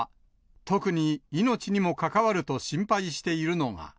特に命にも関わると心配しているのが。